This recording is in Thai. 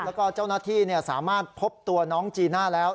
แล้วก็เจ้าหน้าที่สามารถพบตัวน้องจีน่าแล้ว